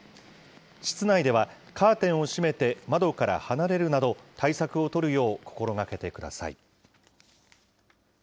室内ではカーテンを閉めて窓から離れるなど、対策を取るよう心がけてください。